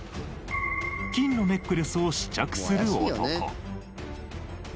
金のネックレスを試着する男。